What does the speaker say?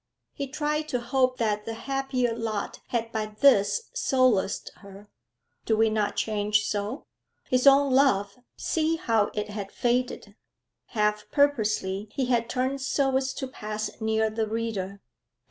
He tried to hope that the happier lot had by this solaced her. Do we not change so? His own love see how it had faded! Half purposely, he had turned so as to pass near the reader.